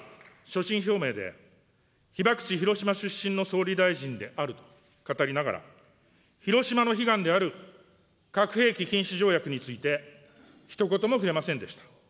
総理は所信表明で、被爆地広島出身の総理大臣であると語りながら、広島の悲願である核兵器禁止条約についてひと言も触れませんでした。